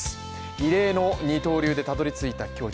異例の二刀流でたどりついた境地